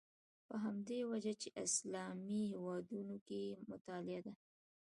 په همدې وجه په اسلامي هېوادونو کې مطالعه ده.